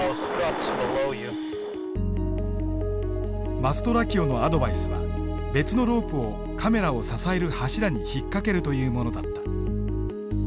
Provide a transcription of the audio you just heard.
マストラキオのアドバイスは別のロープをカメラを支える柱に引っ掛けるというものだった。